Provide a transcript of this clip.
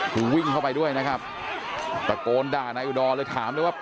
คือวิ่งเข้าไปด้วยนะครับตะโกนด่านายอุดรเลยถามเลยว่า